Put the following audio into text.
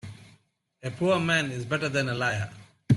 A poor man is better than a liar.